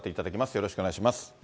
よろしくお願いします。